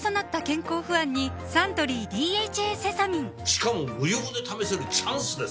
しかも無料で試せるチャンスですよ